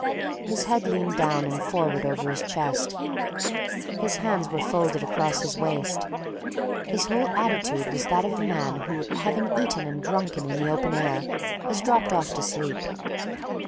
His head leaned down and forward over his chest, his hands were folded across his waist, his whole attitude was that of a man who, having eaten and drunken in the open air, has dropped off to sleep.